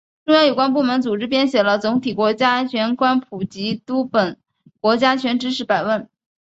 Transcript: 中央有关部门组织编写了总体国家安全观普及读本——《国家安全知识百问》